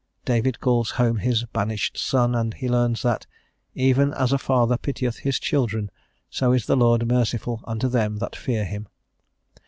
David calls home his banished son, and he learns that, "even as a father pitieth his children, so is the Lord merciful unto them that fear Him."